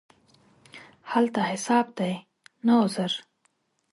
هلته حساب دی، نه عذر.